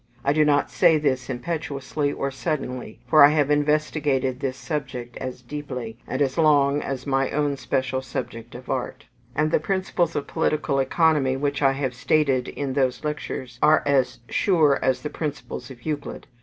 I do not say this impetuously or suddenly, for I have investigated this subject as deeply; and as long, as my own special subject of art; and the principles of political economy which I have stated in those lectures are as sure as the principles of Euclid.